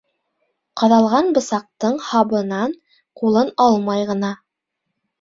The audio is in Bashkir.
Ҡаҙалған бысаҡтың һабынан ҡулын алмай ғына: